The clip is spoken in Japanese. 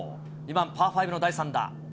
２番パー５の第３打。